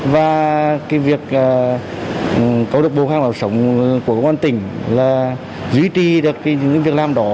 và cái việc cơ độc bồ ngân hàng bảo sống của công an tĩnh là duy trì được những việc làm đó